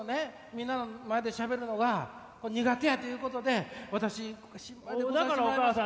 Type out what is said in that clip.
みんなの前でしゃべるのが苦手やっていうことで私来さしてもらいました。